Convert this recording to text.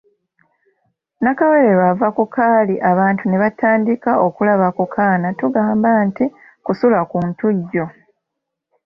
Nakawere lw’ava ku kaali abantu ne batandika okulaba ku kaana tugamba nti Kusula ku Ntujjo.